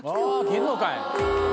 切んのかい！